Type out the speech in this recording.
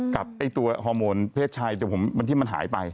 กับตัวฮอร์โมนเพศชายที่มันหายไป